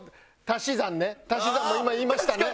「足し算」も今言いましたね？